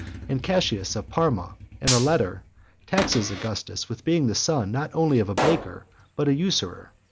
And Cassius of Parma, in a letter, taxes Augustus with being the son not only of a baker, but a usurer.